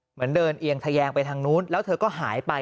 เหมือนเดินเอียงทะแยงไปทางนู้นแล้วเธอก็หายไป